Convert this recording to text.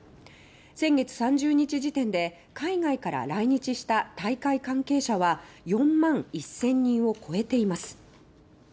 先月３０日時点で海外から来日した大会関係者は４万１０００人を超えています。